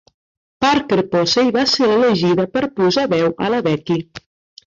Parker Posey va ser l'elegida per posar veu a la Becky.